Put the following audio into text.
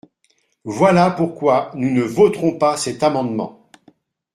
Voilà pourquoi nous ne voterons pas cet amendement.